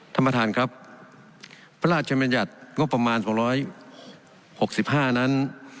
ท่านประธานครับพระราชมนิยัตน์งบประมาณสองร้อยหกสิบห้านั้น